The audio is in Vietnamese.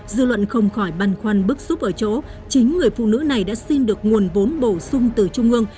dư luận không khỏi băn khoăn bức xúc ở chỗ chính người phụ nữ này đã xin được nguồn vốn bổ sung từ trung ương